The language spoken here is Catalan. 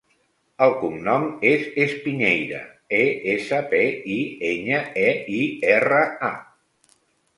El cognom és Espiñeira: e, essa, pe, i, enya, e, i, erra, a.